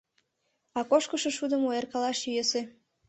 А кошкышо шудым ойыркалаш йӧсӧ.